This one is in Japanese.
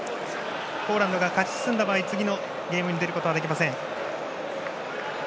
ポーランドが勝ち進んだ場合次のゲームに出ることはできません。